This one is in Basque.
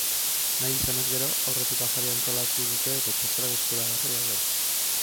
Nahi izanez gero, aurretik afaria antolatu dute eta txartelak eskuragari daude.